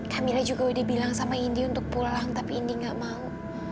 camira juga udah bilang sama indi untuk pulang tapi indi gak mau